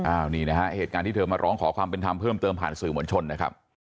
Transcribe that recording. อันนี้นะฮะเหตุการณ์ที่เธอมาร้องขอความเป็นธรรมเพิ่มเติมผ่านสื่อมวลชนนะครับ